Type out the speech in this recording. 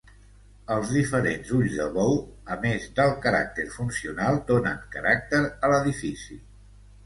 Els diferents ulls de bou, a més del caràcter funcional, donen caràcter a l'edifici.